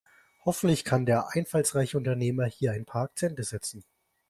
Hoffentlich kann der einfallsreiche Unternehmer hier ein paar Akzente setzen.